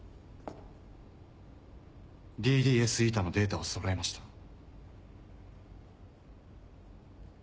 ＤＤＳηのデータをそろえました。